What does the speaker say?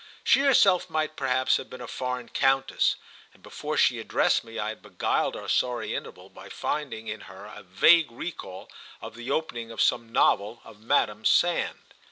She herself might perhaps have been a foreign countess, and before she addressed me I had beguiled our sorry interval by finding in her a vague recall of the opening of some novel of Madame Sand.